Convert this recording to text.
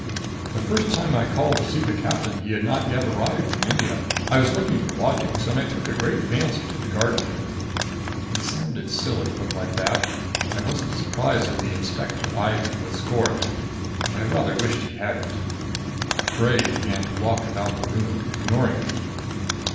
"The first time I called to see the captain he had not yet arrived from India. I was looking for lodgings and I took a great fancy to the garden here." It sounded silly, put like that. I wasn't surprised that the inspector eyed me with scorn. But I rather wished he hadn't. Bray began to walk about the room, ignoring me.